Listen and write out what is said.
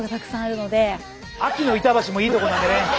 秋の板橋もいいとこなんでね。